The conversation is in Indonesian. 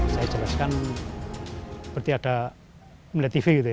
saya jelaskan seperti ada media tv gitu